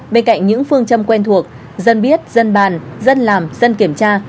bên cạnh những phương châm quen thuộc dân biết dân bàn dân làm dân kiểm tra